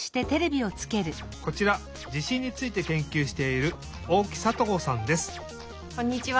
こちら地しんについてけんきゅうしているこんにちは。